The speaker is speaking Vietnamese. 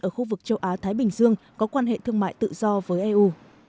ở khu vực châu á thái bình dương có quan hệ thương mại tự do với eu